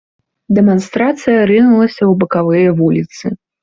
Дэманстрацыя рынулася ў бакавыя вуліцы.